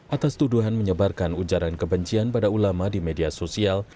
atas tuduhan menyebarkan ujaran kebencian pada ulama di media sosial